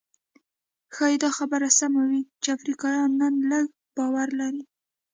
ښايي دا خبره سمه وي چې افریقایان نن لږ باور لري.